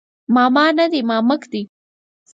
ماما نه دی مامک دی